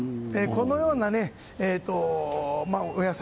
このようなお野菜。